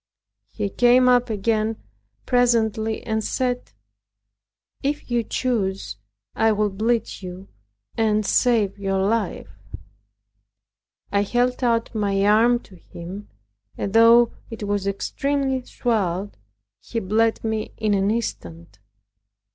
He came up again presently and said, "If you choose, I will bleed you, and save your life." I held out my arm to him; and though it was extremely swelled, he bled me in an instant.